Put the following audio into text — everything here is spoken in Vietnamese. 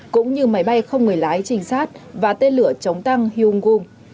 cũng như máy bay không người lái trình sát và tên lửa chống tăng hungum